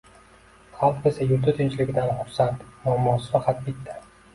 Xalq esa yurti tinchligidan xursand, muammosi faqat bitta